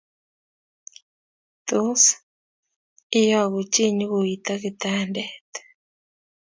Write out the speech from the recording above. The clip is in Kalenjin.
Tos, iyogu chii nyigoito kitandet